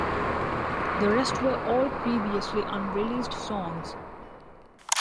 The rest were all previously unreleased songs.